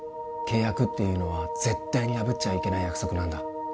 契約っていうのは絶対に破っちゃいけない約束なんだ